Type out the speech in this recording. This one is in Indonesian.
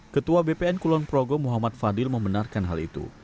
ketua bpn kulon progo muhammad fadil membenarkan hal itu